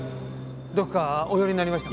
どこかお寄りになりましたか？